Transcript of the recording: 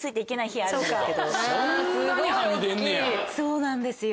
そうなんですよ。